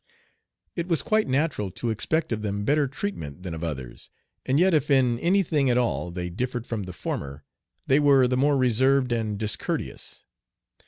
It was quite natural to expect of them better treatment than of others, and yet if in any thing at all they differed from the former, they were the more reserved and discourteous.